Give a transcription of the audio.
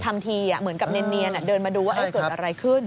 ทำทีเหมือนกับเนียนเดินมาดูว่าเกิดอะไรขึ้น